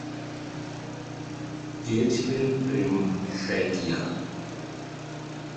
গেয়েছিলেন Prem Saikia.